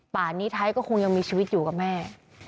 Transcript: ป่านนี้ไทยก็คงยังมีชีวิตอยู่กับแม่